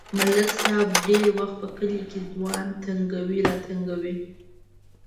ملک صاحب ډېری وخت په کلي کې ځوان تنگوي راتنگوي.